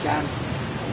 của người dân